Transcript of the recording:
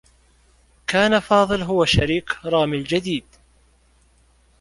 كان فاضل هو شريك رامي الجديد.